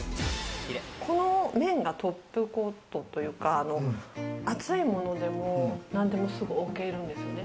この面がトップコートというか、熱いものでも何でも、すぐ置けるんですよね。